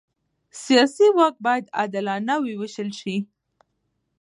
سیاسي واک باید عادلانه ووېشل شي